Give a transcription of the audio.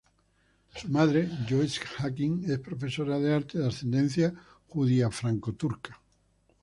Su madre, Jocelyn Hakim, es profesora de arte de ascendencia judía franco-turca.